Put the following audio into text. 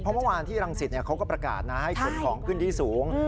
เพราะเมื่อวานที่รังสิตเขาก็ประกาศนะให้ขนของขึ้นที่สูง